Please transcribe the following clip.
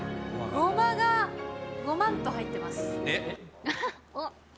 ごまがごまんと入ってます。